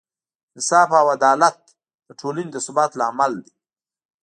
انصاف او عدالت د ټولنې د ثبات لامل دی.